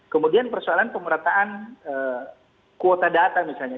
kemudian persoalan pemerataan kuota data misalnya